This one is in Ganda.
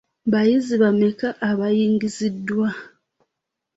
Abayizi bameka abayingiziddwa?